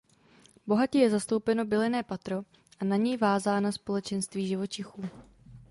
Bohatě je zastoupeno bylinné patro a na něj vázaná společenství živočichů.